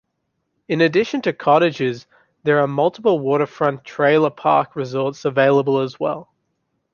In addition to cottages, there are multiple waterfront trailer park resorts available as well.